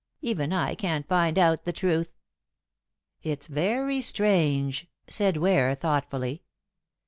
Even I can't find out the truth." "It's very strange," said Ware thoughtfully.